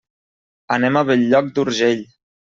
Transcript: Anem a Bell-lloc d'Urgell.